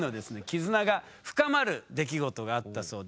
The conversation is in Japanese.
絆が深まる出来事があったそうです。